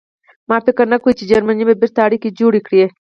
ما فکر نه کاوه چې جرمني به بېرته اړیکې جوړې کړي